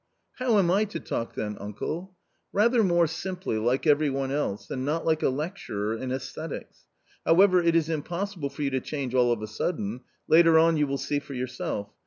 " How am I to talk then, uncle?" " Rather more simply, like everyone else, and not like a lecturer on aesthetics. However, it is impossible for you to change all of a sudden ; later on you will see for yourself.